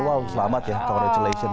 wow selamat ya congratulations